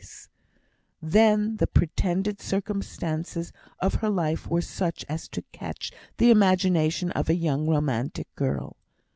Then the pretended circumstances of her life were such as to catch the imagination of a young romantic girl.